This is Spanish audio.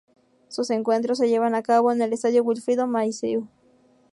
Sus encuentros se llevan acabo en el Estadio Wilfrido Massieu.